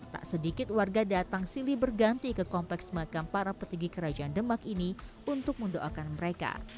tak sedikit warga datang silih berganti ke kompleks makam para petinggi kerajaan demak ini untuk mendoakan mereka